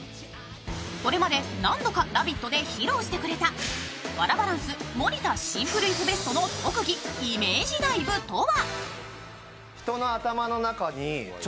これまで何度か「ラヴィット！」で披露してくれたワラバランス盛田シンプルイズベストの特技、イメージダイブとは？